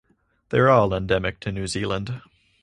They are all endemic to New Zealand.